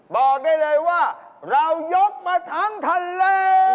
บอกได้เลยว่าเรายกมาทั้งทะเล